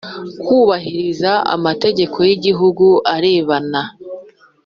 Kubahiriza amategeko y igihugu arebana